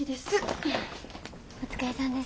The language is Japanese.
お疲れさんです。